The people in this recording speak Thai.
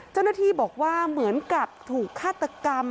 เจ้าหน้าที่บอกว่าเหมือนกับถูกฆาตกรรม